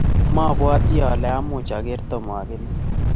mabwatii ale much ager Tom ageny.